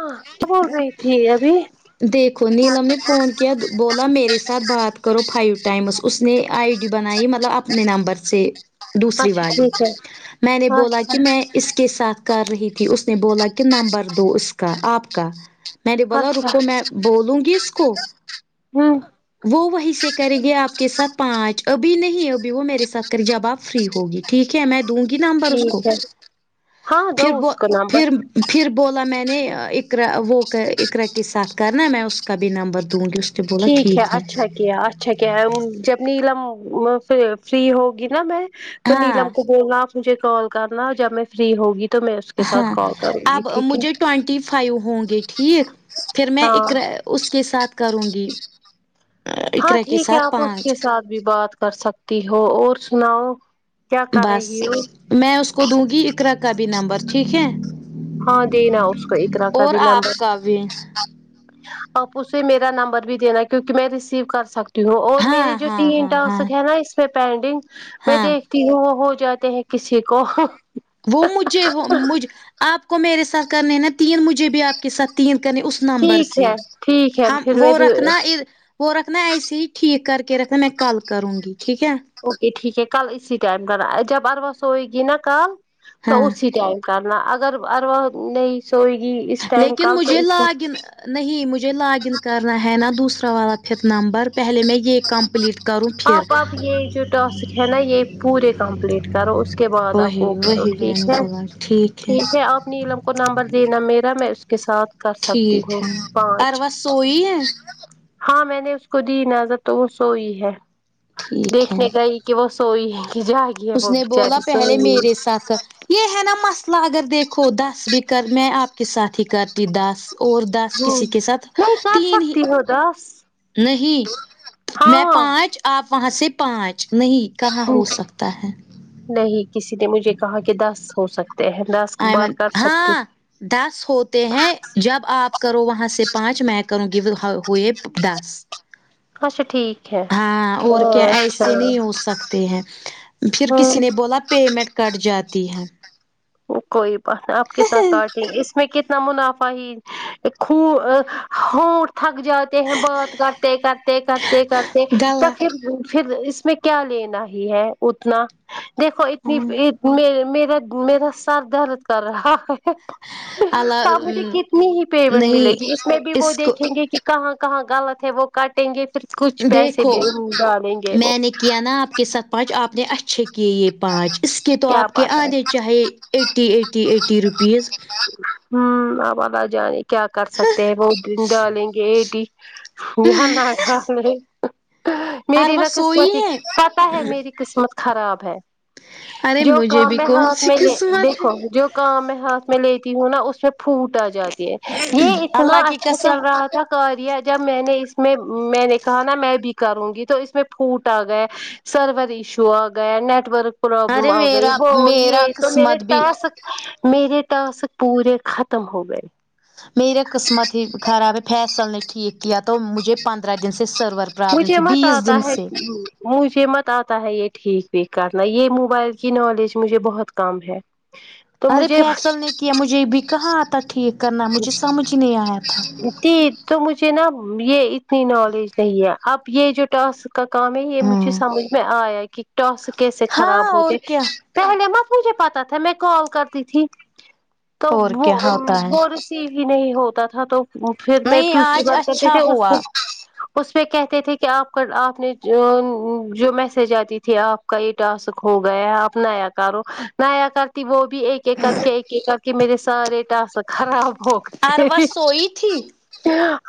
ہاں کیا بول رہی تھی ابھی دیکھو نیلم نے فون کیا بولا میرے ساتھ بات کرو فائیو ٹائمز اس نے آئی ڈی بنائی مطلب اپنے نمبر سے دوسری اچھا والی ٹھیک ہے میں نے بولا اچھا کہ میں اس کے ساتھ کر رہی تھی اس نے بولا کہ نمبر دو اس کا آپ کا میں نے بولا اچھا رکو میں بولوں گی اس کو ہوں وہ وہیں سے کریں گے آپ کے ساتھ پانچ ابھی نہیں ابھی وہ میرے ساتھ کریں جب آپ فری ہوگی ٹھیک ہے میں دوں گی نمبر اس کو ٹھیک ہے ہاں دو پھر وہ اس کو نمبر پھر پھر بولا میں نے اقرا وہ اقرا کے ساتھ کرنا میں اس کا بھی نمبر دوں گی اس ٹھیک ہے اچھا کیا اچھا کیا جب نیلم فری ہوگی نا میں تو ہاں نیلم کو بولنا مجھے کال کرنا جب میں فری ہوگی تو میں کے ساتھ ہاں کال کروں گی اب ٹھیک ہے مجھے ٹونٹی فائیو ہوں گے ٹھیک پھر میں ہاں اقرا اس کے ساتھ کروں گی ہاں اقرا کے ٹھیک ہے ساتھ آپ اس کے پانچ ساتھ بھی بات کر سکتی ہو اور سناؤ کیا کر بس رہی ہو میں اس کو دوں گی اقرا کا بھی نمبر ٹھیک ہے ہاں دینا اس کو اقرا کا اور بھی نمبر آپ کا بھی آپ اسے میرا نمبر بھی دینا کیونکہ میں ریسیو کر سکتی اور میرے ہاں جو ہاں تین ہاں ہاں ٹاسک ہے نا اس میں پینڈنگ میں ہاں دیکھ کی ہو ہو جاتے ہیں کسی کو وہ مجھے ہو مجھ آپ کو میرے ساتھ کرنے نا تین مجھے بھی آپ کے ساتھ تین کرنی اس نمبر ٹھیک سے ہے ٹھیک ہے ہم پھر وہ میں رکھنا ا وہ رکھنا ایسے ہی ٹھیک کر کے رکھنا میں کل کروں گی ٹھیک ہے اوکے ٹھیک ہے کل اسی ٹائم کرنا جب اروا سوئے گی نا کال تو ہاں اسی ٹائم کرنا اگر اور نہیں سوئے گی اس ٹائم لیکن کل تو مجھے اس لاگ ان نہیں مجھے لاگ ان کرنا ہے نا دوسرا والا پھر نمبر پہلے میں یہ کم پلیٹ کروں پھر آپ اب یہ جو ٹاسک ہے نا یہ پورے کمپلیٹ کرو اس کے بعد آپ وہی کو وہی میں نے سنا کہ ٹھیک ہے آپ نیلم کو نمبر دینا میرا میں اس کے ساتھ کر سکتی ٹھیک ہوں ہے پانچ اروا سوئی ہے ہاں میں نے اس کو دی نظر تو وہ سوئی ہے ٹھیک ہے دیکھنے گئی کہ وہ سوئی ہے کہ جائے اس نے بولا پہلے میرے ساتھ یہ ہے نا مسئلہ اگر دیکھو دس بھی کر میں آپ کے ساتھ ہی کرتی دس اور دس ہاں کسی کے ساتھ نہیں کر تین ہی سکتی ہو دس نہیں میں ہاں پانچ آپ وہاں سے پانچ نہیں کہاں ہو سکتا ہے نہیں کسی نے مجھے کہا کہ دس ہو سکتا ایمن ہاں دس ہوتے ہیں جب آپ کرو وہاں سے پانچ میں کروں گی ہوئے دس اچھا ٹھیک ہے ہاں اور کیا ایسے نہیں ہو سکتے ہیں پھر ہاں کسی نے بولا پیمنٹ کٹ جاتی ہے کوئی بات نہیں آپکے ساتھ کاٹیں اس میں کتنا منافع ہی خو ہونٹ تھک جاتے ہیں بات کرتے کرتے کرتے کرتے تو گلا پھر پھر اس میں کیا لینا ہی ہے اتنا دیکھو اتنی ہاں میرا میرا سر درد کر رہا ہے تو آپ مجھے اللہ کتنی ہی پیمنٹ ملے نہیں گی اس میں بھی وہ دیکھیں گے کہاں کہاں غلط ہے وہ کٹیں گے پھر کچھ پیسے بھی ڈالیں گے وہ ہے نا آپ کے سات پانچ آپ نے اچھے کیے یہ پانچ اس کے تو کیا آپ کے پاتا ہے آنے چاہے ایٹی ایٹی ایٹی روپیز ہاں اب اللہ جانے کیا کر سکتے ہیں وہ بن ڈالیں گے ای ڈ یہ نہ [unintelligible] اور میری وہ نا سوئی قسمت ہی ہے پتہ ہے میری قسمت خراب ہے ارے جو مجھے کام بھی میں کون ہاتھ سی میں قسمت ہے دیکھو جو کام میں ہاتھ میں لیتی ہوں نا اس میں پھوٹ آ جاتی ہے یہ اتنا اللہ کی اچھا قسم چل رہا تھا کاریہ جب میں نے اس میں میں نے کہا نا میں بھی کروں گی تو اس میں پوٹ آ گے سرور ایشو آ گیا نیٹورک پرابلم ارے آ گئی میرا وہ میرا یہ تو میرے قسمت بھی ٹاس میرے ٹاسک پورے ختم ہو گئے میرا قسمت ہی خراب ہے فیصل نے ٹھیک کیا تو مجھے پندرہ دن سے سرور پرابلم مجھے تھی مت بیس آتا دن ہے سے مجھے مت آتا ہے یہ ٹھیک وھیک کرنا یہ موبائل کی نالج مجھے بہت کم ہے [inaudible] تو ارے مجھے فیصل نے کیا مجھے بھی کہاں آتا ٹھیک کرنا مجھے سمجھ ہی نہیں آیا تھا جی تو مجھے نا یہ اتنی نالج نہیں ہے اب یہ جو ٹاسک کا کام ہے یہ مجھے ہاں سمجھ میں آیا کہ ٹاسک کیسے ہاں خراب اور ہوتے کیا پہلے مت مجھے پتا تھا میں کال کرتی تھی تو اور کیا وہ ہوتا ہے وہ ریسیو ہی نہیں ہوتا تھا تو پھر میں نہیں دوسری آج بات کرتی اچھا تھی اس [inaudible] اس پہ کہتے تھے کہ آپ کا آپ نے جو میسج آتی تھی آپ کل ہی ٹاسک کھو گیا ہے آپ نیا کرو نیا کرتی وہ ایک ایک کر کے ایک ایک کر کے میرے سارے ٹاسک خراب ہو اروا گئے سوئی تھی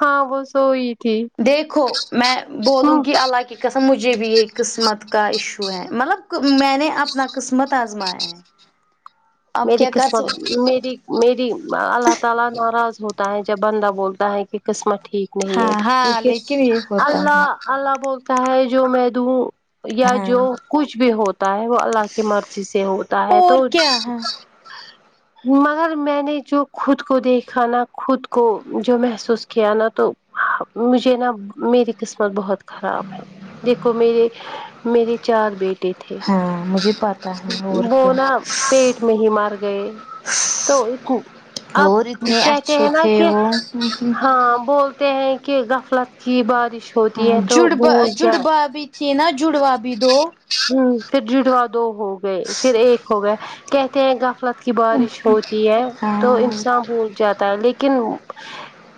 ہاں وہ سوئی تھی دیکھو میں بولوں ہاں گی اللہ کی قسم مجھے بھی یہ قسمت کا ایشو ہے مطلب میں نے اپنا قسمت آزمایا ہے اب میری کیا کر قسمت سو میری میری اللہ تعالی ناراض ہوتا ہے جب بندہ بولتا ہے کہ قسمت ٹھیک نہیں ہاں ہے ہاں کیونکہ لیکن یہ ہوتا ہے اللہ اللہ بولتا ہے جو میں دوں یا ہاں جو کچھ بھی ہوتا ہے وہ اللہ کی مرضی سے ہوتا ہے اور تو کیا ہے مگر میں نے جو خود کو دیکھا نا خود کو جو محسوس کیا نا تو مجھے نا میری قسمت بہت خراب ہے دیکھو میرے میرے چار بیٹ ٹے تھے ہاں مجھے پتا ہے اور وہ کیا نا پیٹ میں ہی مر گئے تو انکو اب اور اتنے کیا اچھے کہنا تھے کے وہ ہاں ہاں بولتے ہیں کہ غفلت کی بارش ہوتی ہاں ہے تو جڑبا بھول جائے جڑبا بھی تھی نا جڑوا بھی دو ہ پھر جڈوا دو ہو گئے پھر ایک ہو گیا کہتے ہیں غفلت کی بارش ہوتی ہے تو ہاں انسان بول جاتا ہے لیکن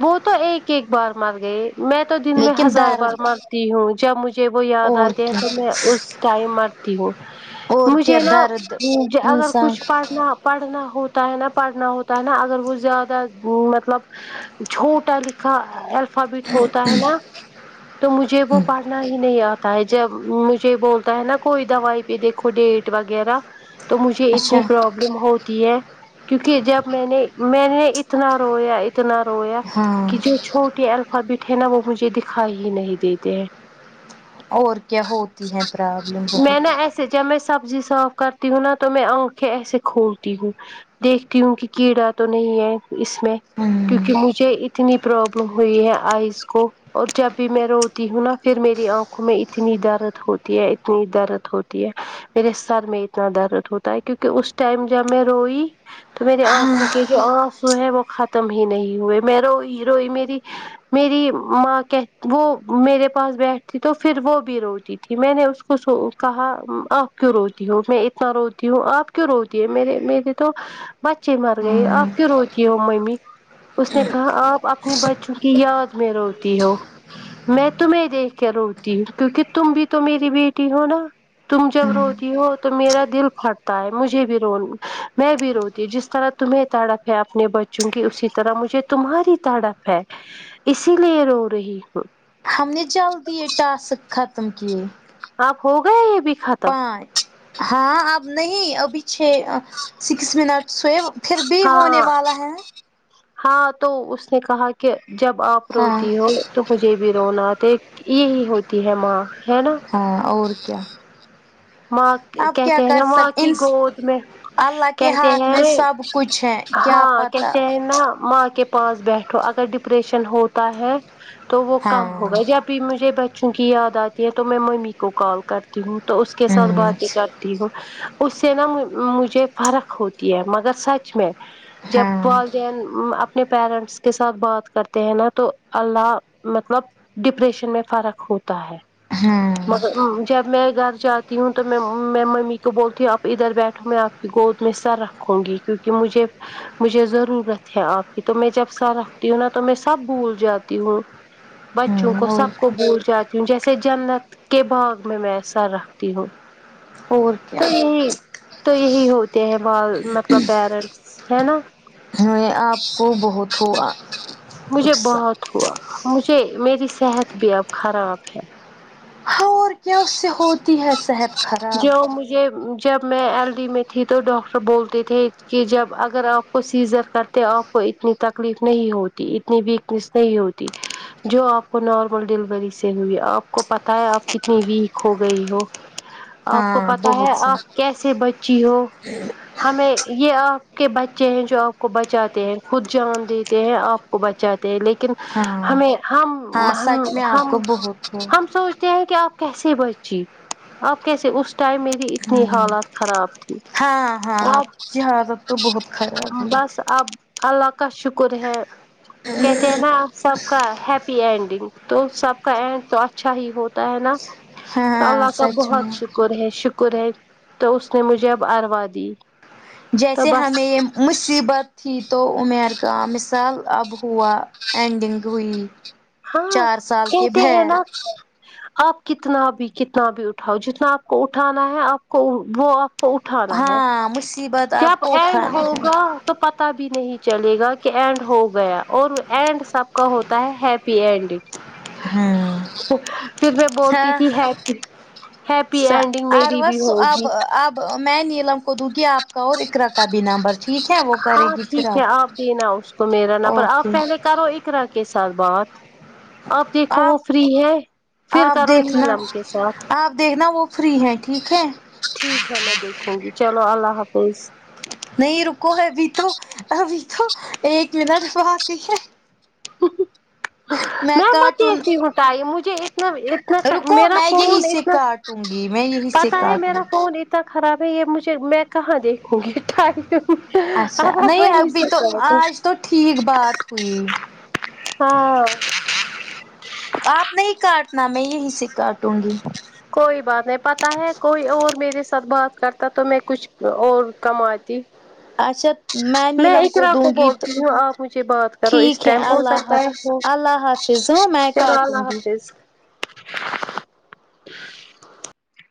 وہ تو ایک ایک بار مر گئے میں تو تو دن میں لیکن ہزار بار درد مرتی ہوں جب مجھے وہ یاد اور آتے کیا تو میں اس ٹائم مرتی ہوں اور مجھے کیا نا درد اگر انسان کچھ کو پڑھنا پڑھنا ہوتا ہے نا پڑھنا ہوتا ہے نا اگر وہ زیادہ مطلب چھوٹا لکھا بٹ ہوتا ہے نا تو مجھے وہ پڑھنا ہی نہیں آتا ہے جب مجھے بولتا ہے نا کوئی دوائی پہ دیکھو ڈیٹ وغیرہ تو مجھے اتنی اچھا پر بلم ہوتی ہے کیونکہ جب میں نے میں نے اتنا رویا ات اتنا رویا ہاں کہ جو چھوٹی الفابیٹ ہے نا وہ مجھے دکھائی ہی نہیں دیتے ہیں اور کیا ہوتی ہیں پرابلم میں نا بہت ایسے جب میں سبزی صاف کرتی ہوں نا تو میں آنکھیں ایسے کھولتی ہوں دیکھتی ہوں کہ کیڑا تو نہیں ہے اس میں ہوں کیونکہ مجھے اتنی پروابلم ہوئی ہے آئز کو اور جب بھی میں روتی ہوں نا پھر میری آنکھوں میں اتنی درد ہوتی ہے اتنی درد ہوتی ہے میرے سر میں اتنا درد ہوتا ہے کیونکہ اس ٹائم جب میں روئی تو میری آنکھوں ہاں کی جو آنسو ہے وہ ختم ہی نہیں ہوئے میں روئی روئی میری میری ماں کہ وہ میرے پاس بیٹھتی تو پھر وہ بھی روتی تھی میں نے اس کو کہا آپ کیوں روتی ہو میں اتنا روتی ہوں آپ کیوں روتی ہے میرے میرے تو بچے مر گئے ہوں آپ کیوں روتی ہو ممی اس نے کہا آپ اپنے بچوں کی یاد میں روتی ہو میں تمہیں دیکھ کے روتی ہوں کیونکہ تم بھی تو میری بیٹی ہو نا تم جب روتی ہو تو میرا دل پھٹتا ہے مجھے بھی رو میں بھی روتی ہوں جس طرح تمہیں تڑپ ہے اپنے بچوں کی اسی طرح مجھے تمہاری تڑپ ہے اسی لیے رو رہی ہوں ہم نے جلدی یہ ٹاسک ختم کیے آپ ہو گیا یہ بھی ختم آج ہاں اب نہیں ابھی چھ سیکس منٹس سوہے وہ ہاں ہاں تو اس نے کہا کہ جب آپ ہاں روتی ہو تو مجھے بھی رونا آتا ہے تو یہی ہوتی ہے ماں ہے نا ہاں اور کیا ماں اب کیا کہتے کر ہیں ماں سک کی ان گود میں اللہ کے کہتے ہاتھ ہیں میں نی سب کچھ ہے کیا ہاں پتا کہتے ہے نا ماں کے پاس بیٹھو اگر ڈپریشن ہوتا ہے تو وہ کم ہاں ہوگا جب بھی مجھے بچوں کی یاد آتی ہے تو میں ممی کو کال کرتی ہوں تو اس کے ساتھ ہوں باتیں کر تی ہوں اس سے نا مجھے فرق ہوتی ہے مگر سچ میں جب ہاں پال جب اپنے پیرنٹس کے ساتھ بات کرتے ہیں نا تو اللہ مطلب ڈپریشن میں فرق ہوتا ہے ہوں جب میں گھر جا تی ہوں تو میں میں ممی کو بولتی ہوں آپ ادھر بیٹھو میں آپ کی گود میں سر رکھوں گی کیونکہ مجھے مجھے ضرورت ہے آپ کی تو میں جب سر رکھتی ہوں نا تو میں سب بھول جاتی ہوں بچوں ہوں کو اور سب کو بھول جاتی ہوں جیسے جنت کے باغ میں میںرا سر تی ہو اور کیا تو یہی ہوتے ہیں ما مطلب پیرنٹس ہے نا میں آپ کو بہت ہوا مجھے نقصان بہت ہوا مجھے میری صحت بھی اب خراب ہے ہاں اور کیا اس سے ہوتی ہے صحت خراب تو مجھے جب میں ایل ڈی میں تھی تو ڈاکٹر بولتے تھے کہ جب اگر آپ کو سیزر کر کے آپ کو اتنی تکلیف نہیں ہوتی اتنی ویکنیس نہیں ہوتی جو آپ کو نارمل ڈلیوری سے ہوئی آپ کو پتہ ہے آپ کتنی ویک ہو گئی ہو آپ کو ہاں پتہ ہے بہت سے آپ کیسے بچی ہو ہمیں یہ آپ کے بچے ہیں جو آپ کو بچاتے ہیں خود جان دیتے ہیں آپ کو بچا تے لیکن ہاں ہمیں ہم ہاں ہم سچ میں آپ کو بہت ہو ہم سوچتے ہیں کہ آپ کیسے بچی آپ کیسے اس ٹائم میری اتنی ہاں حالت خراب تھی ہاں ہاں آپ کی حالت تو بہت خراب ہوئی بس تھی اب اللہ کا شکر ہے کہتے ہیں نا سب کا ہیپی اینڈنگ تو سب کا اینڈ تو اچھا ہی ہوتا ہے نا ہاں اللہ کا سچ میں بہت شکر شکر ہے شکر ہے تو اس نے مجھے اب اروا دی تو جیسے بس ہمیں یہ مصیبت تھی تو عمیر کا مثال اب ہوا اینڈنگ ہوئی ہاں چار سال کے کہتے ہے بھید نا آپ کتنا بھی کتنا بھی اٹھاؤ جتنا آپ کو اٹھانا ہے آپ کو وہ آپ کو اٹھانا ہے ہاں مصیبت آپ جب کو اینڈ اٹھانا ہے ہوگا تو پتا بھی نہیں چلے گا کہ اینڈ ہو گیا اور اینڈ سب کا ہوتا ہے ہیپی انڈنگ ہاں پھر میں بولتی ہاں تھی ہیپی ہیپی اینڈنگ میری بھی اروس ہوگی اب اب میں نیلم کو دوں گی آپ کا اور اقرا کا بھی نمبر ٹھیک ہے وہ کرے ہاں گی پھر ٹھیک ہے آپ دینا اس کو میرا نامبر اوکے آپ پہلے کرو اقرا کے ساتھ بات آپ دیکھو وہ فری ہے پھر آپ کرو دیکھنا نیلم کے ساتھ آپ دیکھنا وہ فری ہیں ٹھیک ہے ٹھیک ہے میں دیکھوں گی چلو اللہ حافظ نہیں رکو ابھی تو ابھی تو ایک منٹ باقی ہے میں مت یہ چ اٹائی مجھے اتنا اتنا رکو میرا میں یہی فون سے اتنا کاٹوں گی میں یہی سے پتا ہے کاٹوں میرا گی فون کتنا خراب ہے یہ مجھے میں کہاں دیکھوں گی ٹائم پہ اچھا نہیں ابھی تو آج تو ٹھیک بات ہوئی ہاں آپ نہیں کاٹنا میں یہی سے کاٹوں گی کوئی بات نہیں پتا ہے کوئی اور میرے ساتھ بات کرتا تو میں کچھ اور کماتی اچھا میں نیلم کو اقرا دوں گی تو بولتی ہوں آپ مجھے بات کرو ٹھیک اس ہے ٹائم ہو اللہ حاف سکتا ہے وہ اللہ حافظ ہ میں چلو کاٹوں اللہ گی حافظ